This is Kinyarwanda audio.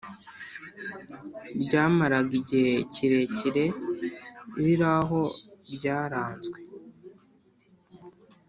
ryamaraga igihe kirekire riri aho ryaranzwe